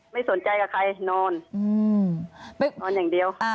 ไม่สนใจกับใครนอนปึ๊กนอนอย่างเดียว